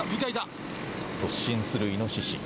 突進するイノシシ。